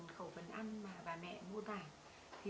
trong khẩu phần ăn mà bà mẹ mua tải